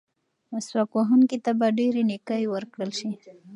مسواک وهونکي ته به ډېرې نیکۍ ورکړل شي.